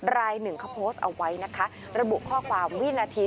รายหนึ่งเขาโพสต์เอาไว้นะคะระบุข้อความวินาที